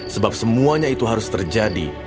sebab semuanya itu harus terjadi